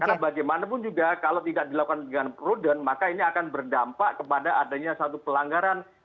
karena bagaimanapun juga kalau tidak dilakukan dengan prudent maka ini akan berdampak kepada adanya satu pelanggaran